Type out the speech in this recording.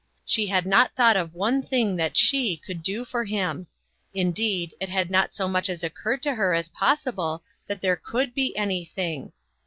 She had not thought of one thing that she could do for him ; indeed, it had not so much as occurred to her as possible that there could be anything.